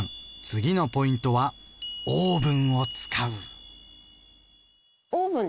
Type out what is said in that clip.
次のポイントは「オーブンを使う」。